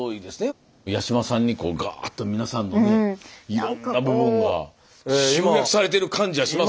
八嶋さんにガーッと皆さんのねいろんな部分が集約されてる感じはしますよ。